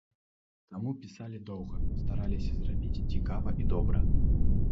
Таму пісалі доўга, стараліся зрабіць цікава і добра.